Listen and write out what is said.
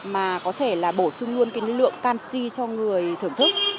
mà có thể bổ sung luôn lượng canxi cho người thưởng thức